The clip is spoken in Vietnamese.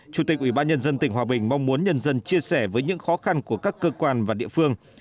chủ tịch ubnd tỉnh hòa bình mong muốn nhân dân chia sẻ với những khó khăn của các cơ quan và địa phương